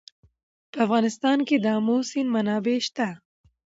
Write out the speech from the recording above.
په افغانستان کې د آمو سیند منابع شته.